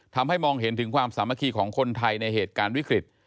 ทำให้มองเห็นถึงความสามัคคีของคนไทยในเหตุการณ์วิกฤต